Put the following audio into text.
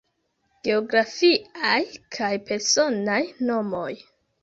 Geografiaj kaj personaj nomoj.